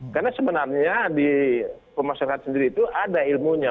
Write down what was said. karena sebenarnya di pemasarkan tangan sendiri itu ada ilmunya